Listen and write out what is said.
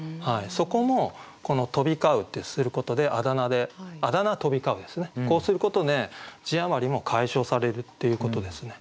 そこもこの「飛び交ふ」ってすることで「あだ名飛び交ふ」ですねこうすることで字余りも解消されるっていうことですね。